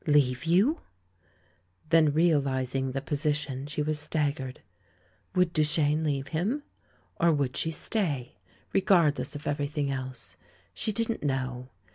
"Leave you?" Then realising the position, she was staggered. Would Duchene leave him? Or would she stay, regardless of everything else? She didn't know!